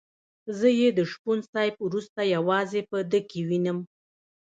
زه یې د شپون صاحب وروسته یوازې په ده کې وینم.